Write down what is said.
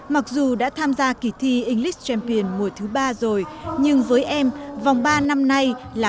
mặc dù đã tham gia kỳ thi english champion mùa thứ ba rồi nhưng với em vòng ba năm nay là